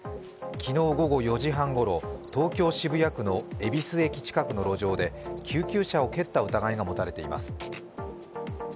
昨日午後４時半ごろ東京・渋谷区の恵比寿駅近くの路上で救急車を蹴った疑いが持たれています。